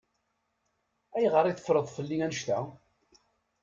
Ayɣer i teffreḍ fell-i annect-a?